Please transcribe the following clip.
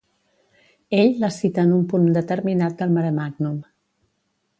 Ell la cita en un punt determinat del Maremàgnum.